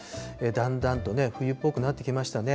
だんだんと冬っぽくなってきましたね。